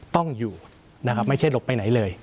ต้องอยู่ไม่เคยหลบไปไหนเลย